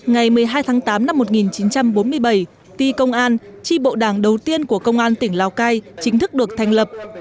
ngày một mươi hai tháng tám năm một nghìn chín trăm bốn mươi bảy ti công an tri bộ đảng đầu tiên của công an tỉnh lào cai chính thức được thành lập